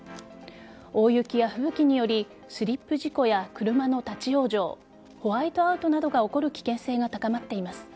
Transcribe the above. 大雪や吹雪によりスリップ事故や車の立ち往生ホワイトアウトなどが起こる危険性が高まっています。